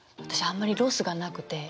あんまりロスがなくて。